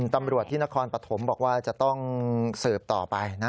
ตำรวจที่นครปฐมบอกว่าจะต้องสืบต่อไปนะ